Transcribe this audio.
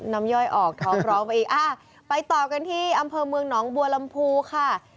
ย่อยออกท้องร้องไปอีกไปต่อกันที่อำเภอเมืองหนองบัวลำพูค่ะ